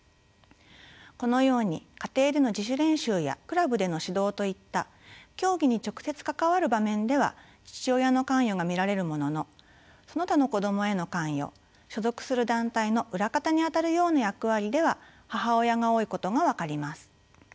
このように家庭での自主練習やクラブでの指導といった競技に直接関わる場面では父親の関与が見られるもののその他の子どもへの関与所属する団体の裏方にあたるような役割では母親が多いことが分かります。